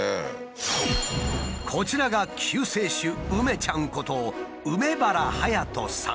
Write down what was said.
こちらが救世主梅ちゃんこと梅原颯大さん。